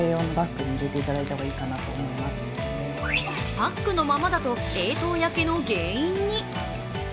パックのままだと冷凍焼けの原因に。